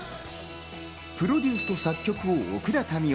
プロデュースと作曲を奥田民生。